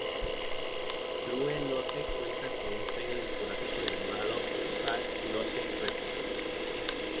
Blue Note cuenta con un sello discográfico llamado Half Note Records.